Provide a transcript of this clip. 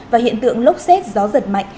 và hiện tượng lốc xét gió giật mạnh